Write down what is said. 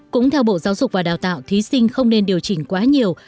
cũng theo bộ giáo dục và đào tạo thí sinh không nên điều chỉnh quá nhiều